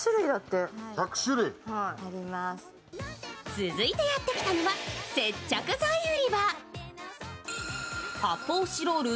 続いてやってきたのは、接着剤売り場。